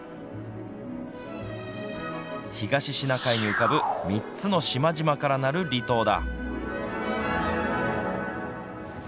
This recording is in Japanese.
東シナ海に浮かぶ、３つの島々からなる離島だ。